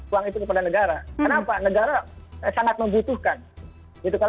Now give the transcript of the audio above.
uang itu kepada negara kenapa negara sangat membutuhkan